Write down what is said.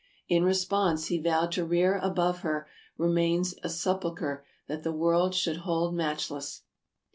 In response he vowed to rear above her remains a sepulcher that the world should hold matchless.